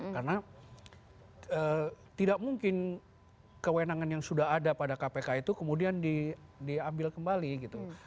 karena tidak mungkin kewenangan yang sudah ada pada kpk itu kemudian diambil kembali gitu